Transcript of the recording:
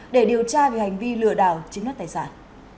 để điều tra về hành vi lừa đảo chiếm đất tài sản